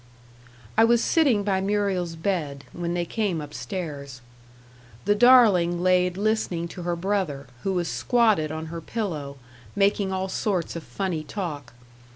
I was sitting by Muriel's bed, when they came up stairs. The darling laid listening to her brother, who was squatted on her pillow, making all sorts of funny talk.